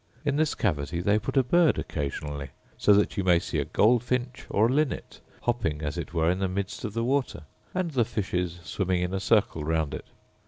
In this cavity they put a bird occasionally; so that you may see a goldfinch or a linnet hopping as it were in the midst of the water, and the fishes swimming in a circle round it.